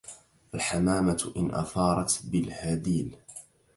الحمامة إن أثارت بالهديل